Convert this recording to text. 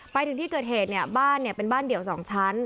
ไปถึงที่เกิดเหตุเนี่ยบ้านเป็นบ้านเดี่ยว๒ชั้น